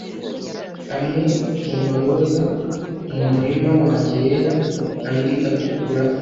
Amwe mumaroza mumurima wanjye yera, andi atukura.